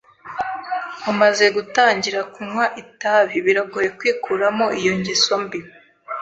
Umaze gutangira kunywa itabi, biragoye kwikuramo iyo ngeso mbi.